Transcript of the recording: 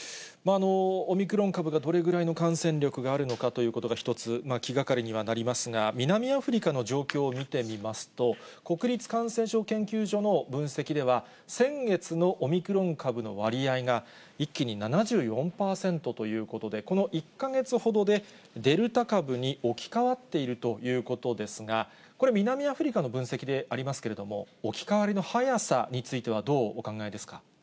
オミクロン株がどれぐらいの感染力があるのかということが一つ気がかりにはなりますが、南アフリカの状況を見てみますと、国立感染症研究所の分析では、先月のオミクロン株の割合が、一気に７４％ということで、この１か月ほどでデルタ株に置き換わっているということですが、これ、南アフリカの分析でありますけれども、置き換わりの速さについてはどうお考えですか。